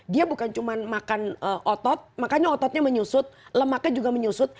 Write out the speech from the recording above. dia bukan cuma makan otot makanya ototnya menyusut lemaknya juga menyusut